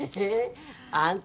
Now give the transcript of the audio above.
あんた